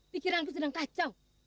pikiranku sedang kacau